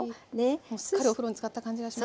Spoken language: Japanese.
すっかりお風呂につかった感じがしますね。